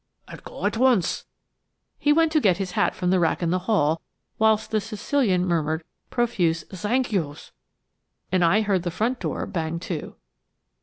"I'll go at once." He went to get his hat from the rack in the hall whilst the Sicilian murmured profuse "Zank you's," and then I heard the front door bang to.